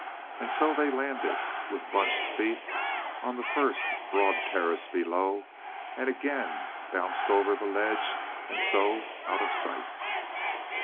And so they landed, with bunched feet, on the first broad terrace below and again bounced over the ledge and so out of sight.